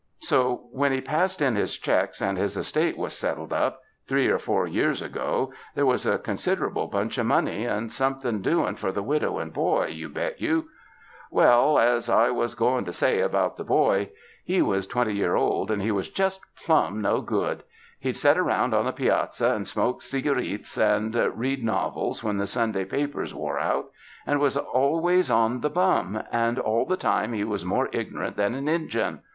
So, when he passed in his checks and his estate was settled up three or four years ago, there was a considerable bunch of money and somethin' doin' for the widow and boy, you bet you. Well, as I was goin' to say about the boy. 81 UNDER THE SKY IN CALIFORNIA He was twenty year old and he was just plum no good. He'd set around on the piazza and smoke cigareets and read novels when the Sunday papers wore out, and was always on the bum, and all the time he was more ignorant than an Injun.